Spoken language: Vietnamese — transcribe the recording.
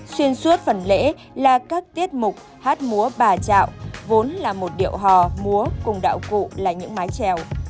xuyên suốt phần lễ là các tiết mục hát múa bà trạo vốn là một điệu hò múa cùng đạo cụ là những mái trèo